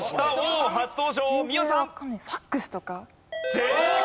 正解！